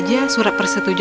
jeng maga semua